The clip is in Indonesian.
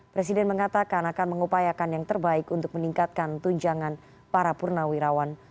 presiden mengatakan akan mengupayakan yang terbaik untuk meningkatkan tunjangan para purnawirawan